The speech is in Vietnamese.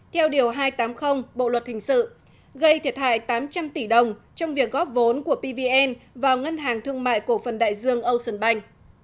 theo điều hai trăm tám mươi bộ luật thình sự gây thiệt hại tám trăm linh tỷ đồng trong việc góp vốn của pvn vào ngân hàng thương mại cổ phần đại dương âu sơn bành